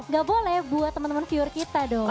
gak boleh buat temen temen viewer kita dong